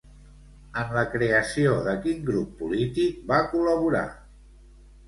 En la creació de quin grup polític va col·laborar?